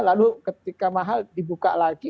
lalu ketika mahal dibuka lagi